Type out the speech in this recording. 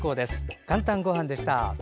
「かんたんごはん」でした。